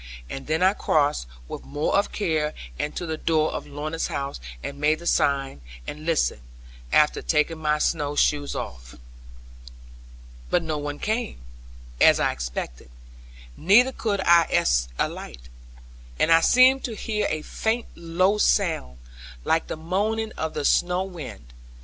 And then I crossed, with more of care, and to the door of Lorna's house, and made the sign, and listened, after taking my snow shoes off. But no one came, as I expected, neither could I espy a light. And I seemed to hear a faint low sound, like the moaning of the snow wind.